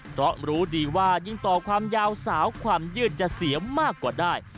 เพราะรู้ดีว่ายิ่งต่อความยาวสาวความยืดจะเสียมากกว่าได้